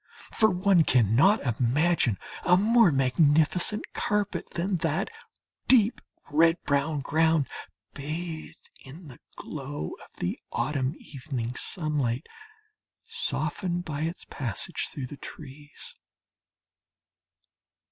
For one cannot imagine a more magnificent carpet than that deep red brown ground, bathed in the glow of the autumn evening sunlight, softened by its passage through the trees.